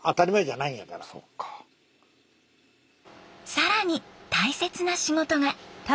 更に大切な仕事が。